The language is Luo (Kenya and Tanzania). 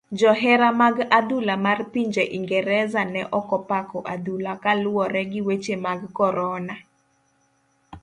Johera mag adhula mar pinje ingereza ne okopako adhula kaluwore gi weche mag korona.